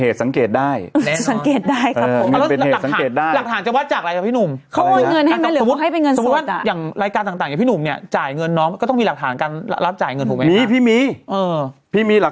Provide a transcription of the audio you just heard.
ทาลิฟท์ทาอะไรล่ะ